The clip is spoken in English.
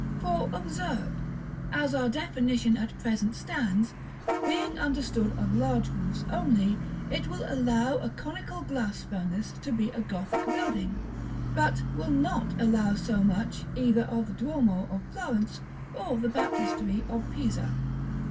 For, observe, as our definition at present stands, being understood of large roofs only, it will allow a conical glass furnace to be a Gothic building, but will not allow so much, either of the Duomo of Florence, or the Baptistery of Pisa.